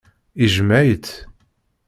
Ijmeɛ-itt.